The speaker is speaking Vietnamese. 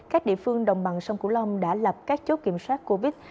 các địa phương đồng bằng sông cửu long đã lập các chốt kiểm soát covid